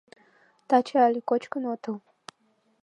Таче але кочкын отыл.